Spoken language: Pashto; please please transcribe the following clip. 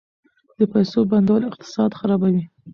د پیسو بندول اقتصاد خرابوي.